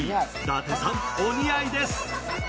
伊達さん、お似合いです！